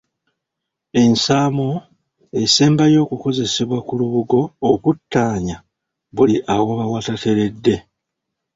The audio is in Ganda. Ensaamo esembayo okukozesebwa ku lubugo okuttaanya buli awaba watateredde.